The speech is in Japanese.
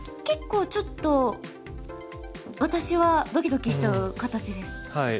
結構ちょっと私はドキドキしちゃう形です。